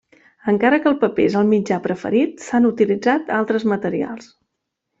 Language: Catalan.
Encara que el paper és el mitjà preferit, s'han utilitzat altres materials.